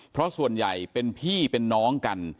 เพราะส่วนใหญ่เป็นพี่เป็นน้องกัน